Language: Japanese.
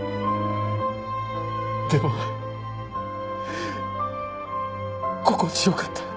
でも心地良かった。